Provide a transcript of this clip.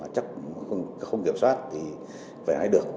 chắc không kiểm soát thì về hay được